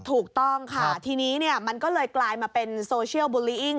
ถูกต้องค่ะทีนี้มันก็เลยกลายมาเป็นโซเชียลบูลลีอิ้ง